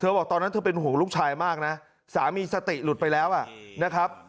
บอกตอนนั้นเธอเป็นห่วงลูกชายมากนะสามีสติหลุดไปแล้วนะครับ